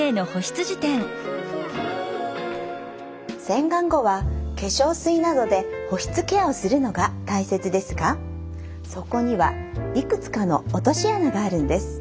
洗顔後は化粧水などで保湿ケアをするのが大切ですがそこにはいくつかの落とし穴があるんです。